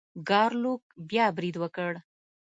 ګارلوک بیا برید وکړ.